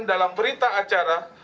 dalam berita acara